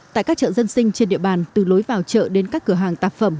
tại các chợ dân sinh trên địa bàn từ lối vào chợ đến các cửa hàng tạp phẩm